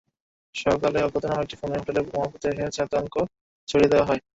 সকালে অজ্ঞাতনামা একটা ফোনে হোটেলে বোমা পুঁতে রাখার আতঙ্ক ছড়িয়ে দেওয়া হয়।